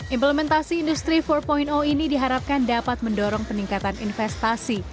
implementasi industri empat ini diharapkan dapat mendorong peningkatan investasi